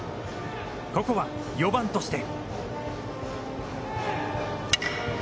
ここは４番として。